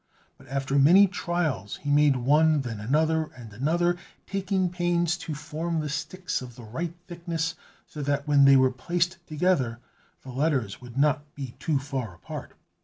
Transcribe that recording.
But after many trials he made one, then another, and another, taking pains to form the sticks of the right thickness, so that when they were placed together, the letters would not be too far apart.